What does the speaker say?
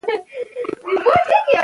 په ښوونځیو کې باید ورزش ته هم پام وسي.